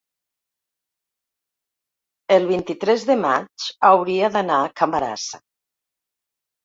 el vint-i-tres de maig hauria d'anar a Camarasa.